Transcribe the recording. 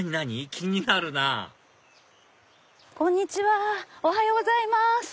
気になるなぁこんにちはおはようございます。